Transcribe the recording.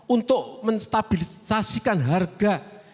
untuk menstabilisasikan harga